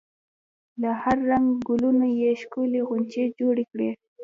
له هر رنګ ګلونو یې ښکلې غونچې جوړې کړي.